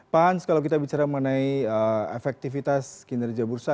pak hans kalau kita bicara mengenai efektivitas kinerja bursa